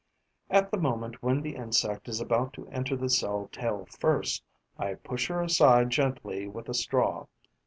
At the moment when the insect is about to enter the cell tail first, I push her aside gently with a straw.